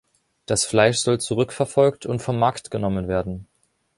Das Fleisch soll zurückverfolgt und vom Markt genommen werden.